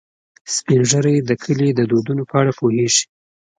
سپین ږیری د کلي د دودونو په اړه پوهیږي